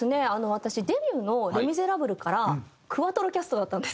私デビューの『レ・ミゼラブル』からクワトロキャストだったんですよ。